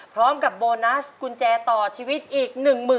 พร้อมกับโบนัสกุญแจต่อชีวิตอีก๑๐๐๐